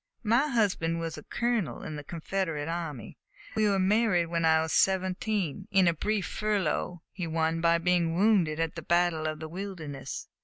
My husband was a colonel in the Confederate army. We were married when I was seventeen, in a brief furlough he won by being wounded at the battle of the Wilderness.